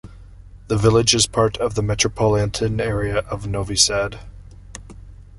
The village is part of the metropolitan area of Novi Sad.